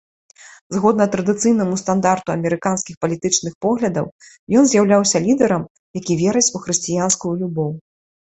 Згодна традыцыйнаму стандарту амерыканскіх палітычных паглядаў, ён з'яўляўся лідарам, які верыць у хрысціянскую любоў.